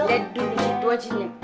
jatuh di situ aja nih